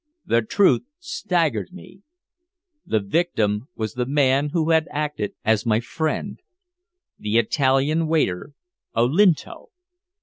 The truth staggered me. The victim was the man who had acted as my friend the Italian waiter, Olinto.